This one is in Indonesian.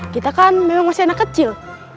kita kan memang masih anak kecil